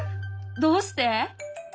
どうして？